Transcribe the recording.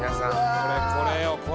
これこれよこれ！